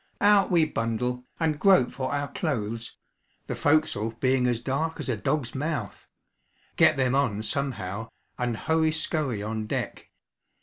Out we bundle, and grope for our clothes (the forecastle being as dark as a dog's mouth), get them on somehow, and hurry scurry on deck.